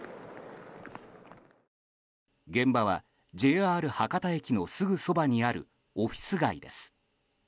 現場はＪＲ博多駅のすぐそばにあるオフィス街です。